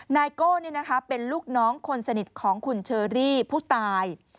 นายโก้เป็นลูกน้องคนสนิทของคุณเชอรี่ผู้ตาย